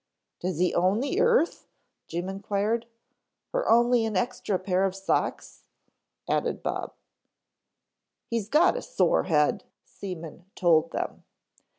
"Does he own the earth?" Jim inquired. "Or only an extra pair of socks?" added Bob. "He's got a sore head," Seaman told them.